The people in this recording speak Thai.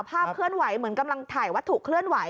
เคลื่อนไหวเหมือนกำลังถ่ายวัตถุเคลื่อนไหว